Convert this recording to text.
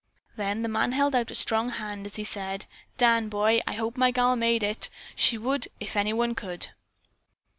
Then the man held out a strong hand as he said: "Dan, boy, I hope my gal made it! She would if anyone could."